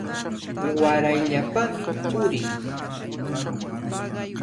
Warayllapami purin.